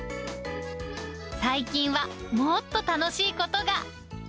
最近はもっと楽しいことが。